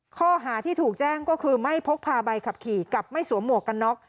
ข้อหาที่ถูกแจ้งก็คือไม่พกพาใบขับขี่กับไม่สวมหมวกกันน็อก